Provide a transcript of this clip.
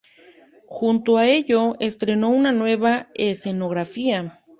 Junto a ello, estrenó una nueva escenografía.